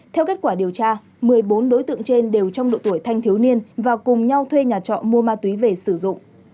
theo kết quả điều tra một mươi bốn đối tượng trên đều trong độ tuổi thanh thiếu niên và cùng nhau thuê nhà trọ mua ma túy về sử dụng